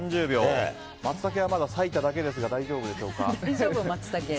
マツタケはまだ裂いただけですが大丈夫でしょうか。